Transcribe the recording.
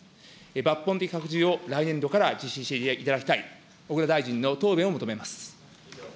抜本的拡充を来年度から実施していただきたい、小倉大臣の答弁を求めます。